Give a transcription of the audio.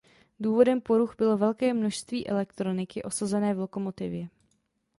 Důvodem poruch bylo velké množství elektroniky osazené v lokomotivě.